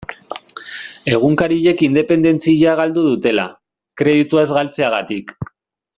Egunkariek independentzia galdu dutela, kreditua ez galtzegatik.